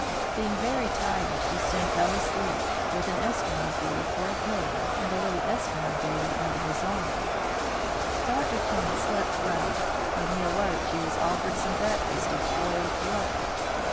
Being very tired, he soon fell asleep, with an Eskimo boy for a pillow, and a little Eskimo baby under his arm. Dr. Kane slept well. When he awoke he was offered some breakfast of boiled blubber.